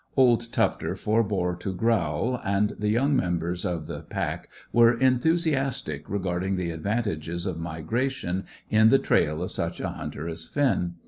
Old Tufter forbore to growl, and the young members of the pack were enthusiastic regarding the advantages of migration in the trail of such a hunter as Finn.